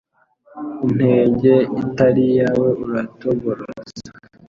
Intenge itari iyawe, uratoboroza